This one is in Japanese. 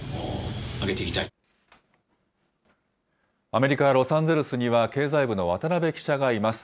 アメリカ・ロサンゼルスには、経済部の渡邊記者がいます。